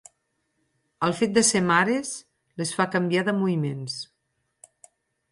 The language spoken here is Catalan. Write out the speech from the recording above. El fet de ser mares les fa canviar de moviments.